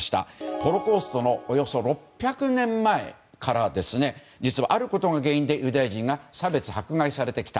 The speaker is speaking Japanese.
ホロコーストのおよそ６００年前から実はあることが原因でユダヤ人が差別・迫害されてきた。